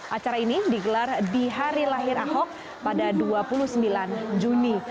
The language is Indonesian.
acara ini digelar di hari lahir ahok pada dua puluh sembilan juni